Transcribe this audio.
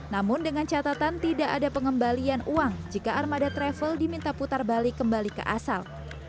namun dengan catatan tidak ada pengembalian uang jika armada travel diminta putar balik kembali ke asal